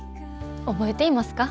覚えていますか？